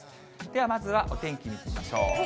ではまずはお天気見てみましょう。